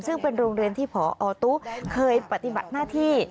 ซึ่งเป็นโรงเรียนที่พอตุ๊เคยปฏิบัติหน้าที่